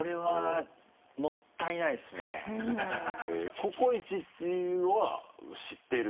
「ココイチ」っていうのは知ってる？